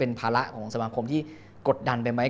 ของสมาครมที่กดดันไปไหม